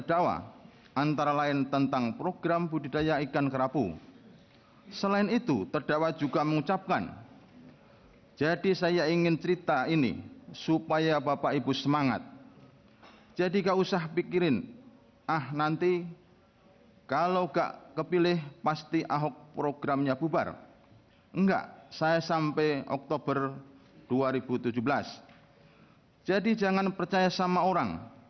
dua lembar printout dan seterusnya